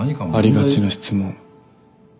ありがちな質問。